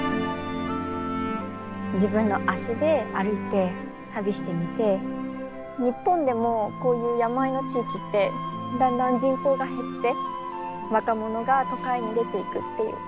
自分の足で歩いて旅してみて日本でもこういう山あいの地域ってだんだん人口が減って若者が都会に出ていくっていう。